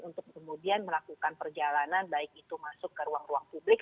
untuk kemudian melakukan perjalanan baik itu masuk ke ruang ruang publik